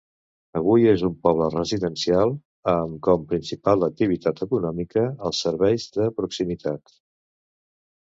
Avui és un poble residencial amb com principal activitat econòmica els serveis de proximitat.